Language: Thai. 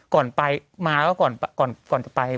ก่อนไปมาก็ก่อนจะไป